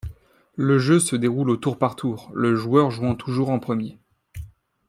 Le jeu se déroule au tour par tour, le joueur jouant toujours en premier.